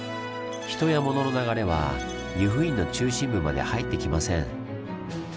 人やモノの流れは由布院の中心部まで入ってきません。